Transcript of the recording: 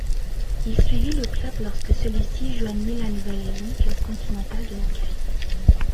Il suivit le club lorsque celui-ci joignit la nouvelle Ligue continentale de hockey.